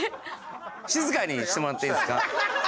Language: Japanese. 静かにしてもらっていいですか？